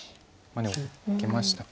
でも受けましたか。